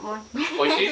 おいしい。